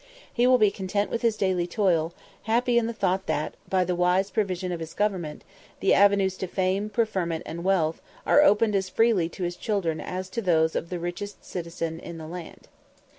He will be content with his daily toil, happy in the thought that, by the wise provision of his government, the avenues to fame, preferment, and wealth, are opened as freely to his children as to those of the richest citizen in the land.